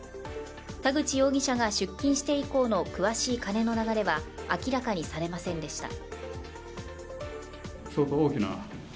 田口容疑者が出金して以降の詳しい金の流れは明らかにされませんでした。